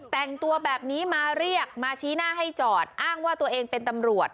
แต่งตัวแบบนี้มาเรียกมาชี้หน้าให้จอดอ้างว่าตัวเองเป็นตำรวจ